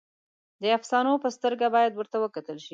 د افسانو په سترګه باید ورته وکتل شي.